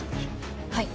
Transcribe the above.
はい。